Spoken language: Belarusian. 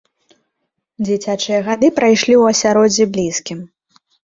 Дзіцячыя гады прайшлі ў асяроддзі блізкім.